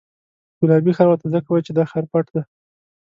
ګلابي ښار ورته ځکه وایي چې دا ښار پټ دی.